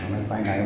đó là cái dấu